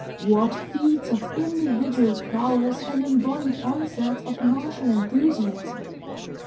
What feats of individual prowess, and embodied onsets of martial enthusiasm!